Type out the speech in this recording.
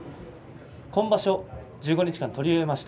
今場所、１５日間取り終えました。